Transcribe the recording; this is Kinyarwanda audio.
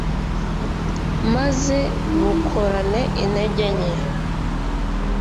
maze bukorane intege nke